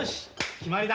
決まりだ！